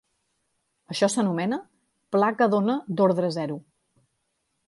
Això s'anomena "placa d'ona d'ordre zero".